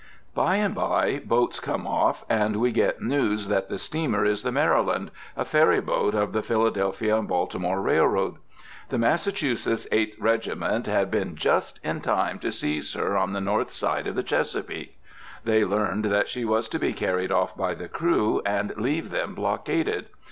By and by boats come off, and we get news that the steamer is the "Maryland," a ferry boat of the Philadelphia and Baltimore Railroad. The Massachusetts Eighth Regiment had been just in time to seize her on the north side of the Chesapeake. They learned that she was to be carried off by the crew and leave them blockaded.